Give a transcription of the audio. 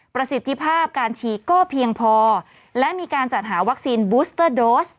ประสิทธิภาพการฉีดก็เพียงพอและมีการจัดหาวัคซีนบูสเตอร์โดส